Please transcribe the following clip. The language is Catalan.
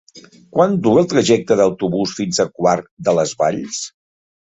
Quant dura el trajecte en autobús fins a Quart de les Valls?